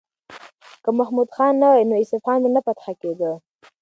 که محمود خان نه وای نو اصفهان به نه فتح کېدو.